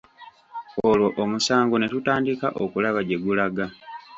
Olwo omusango ne tutandika okulaba gye gulaga.